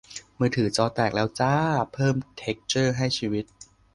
มือถือจอแตกแล้วจร้า เพิ่มเท็กซ์เจอร์ให้ชีวิต